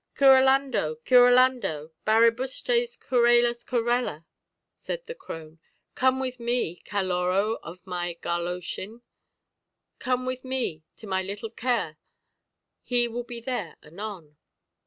"Curelando, curelando; baribustres curelós terela," said the crone. "Come with me, Caloró of my garlochin, come with me to my little ker; he will be there anon."